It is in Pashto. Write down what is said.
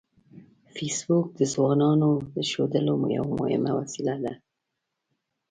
فېسبوک د ځوانانو د ښودلو یوه مهمه وسیله ده